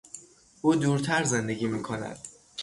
او دورتر زندگی میکند.